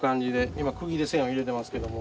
今くぎで線を入れてますけども。